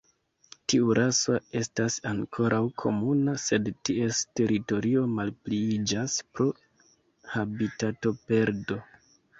Tiu raso estas ankoraŭ komuna, sed ties teritorio malpliiĝas pro habitatoperdo.